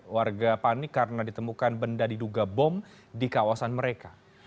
warga panik karena ditemukan benda diduga bom di kawasan mereka